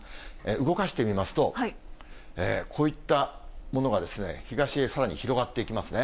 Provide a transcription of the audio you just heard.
動かしてみますと、こういったものが東へさらに広がっていきますね。